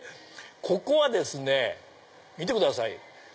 ここはですね見てください。